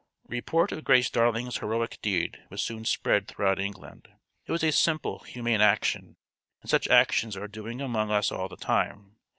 Report of Grace Darling's heroic deed was soon spread throughout England. It was a simple, humane action and such actions are doing among us all the time.